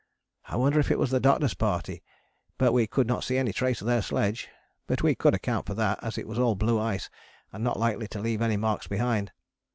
I wonder if it was the Doctor's party, but we could not see any trace of their sledge, but we could account for that, as it was all blue ice and not likely to leave any marks behind.